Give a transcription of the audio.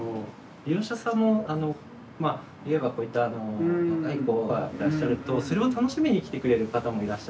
利用者さんもまあいわばこういった若い子がいらっしゃるとそれを楽しみに来てくれる方もいらっしゃるので。